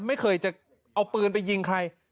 ไม่เคยจะเอาปืนไปยิงใคร